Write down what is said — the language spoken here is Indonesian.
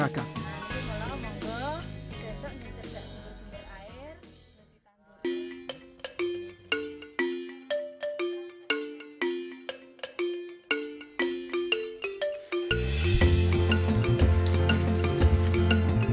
nah aku sekarang mau ke desa mencerdek sumber sumber air